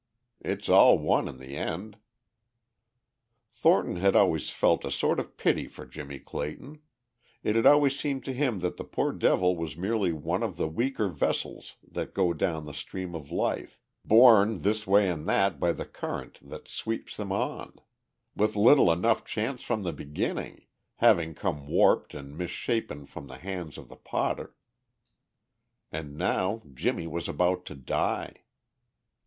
It's all one in the end." Thornton had always felt a sort of pity for Jimmie Clayton; it had always seemed to him that the poor devil was merely one of the weaker vessels that go down the stream of life, borne this way and that by the current that sweeps them on, with little enough chance from the beginning, having come warped and misshapen from the hands of the potter. And now Jimmie was about to die.